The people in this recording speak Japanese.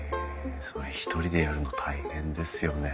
それ一人でやるの大変ですよね。